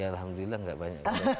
ya alhamdulillah enggak banyak